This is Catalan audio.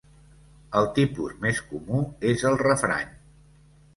El tipus més comú és el refrany.